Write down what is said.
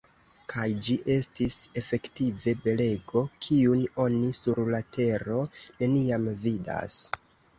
Kaj ĝi estis efektive belego, kiun oni sur la tero neniam vidas.